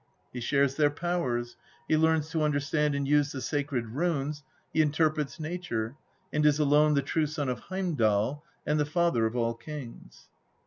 He shares their powers, he Icarus to understand and use the sacred runes, he interprets nature, and is alone the true son of Heimdal and the father of all kings.